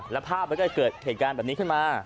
แล้วภาพมันก็เลยเกิดเหตุการณ์แบบนี้ขึ้นมา